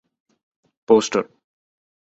poster